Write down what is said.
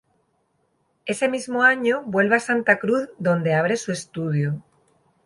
Ese mismo año vuelve a Santa Cruz donde abre su estudio.